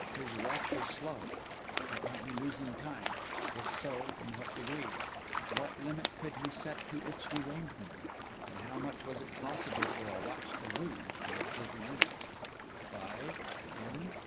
His watch was slow; it might be losing time; if so, in what degree? What limit could he set to its derangement? and how much was it possible for a watch to lose in thirty minutes? Five? ten?